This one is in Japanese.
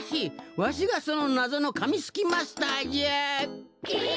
わしがそのなぞのかみすきマスターじゃ！え！？